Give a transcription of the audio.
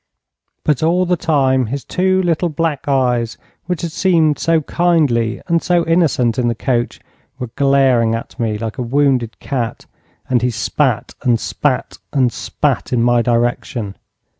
But all the time his two little black eyes, which had seemed so kindly and so innocent in the coach, were glaring at me like a wounded cat, and he spat, and spat, and spat in my direction.